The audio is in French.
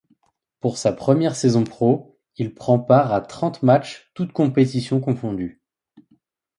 Pour sa première saison pro, il prend part à trente matchs toutes compétitions confondues.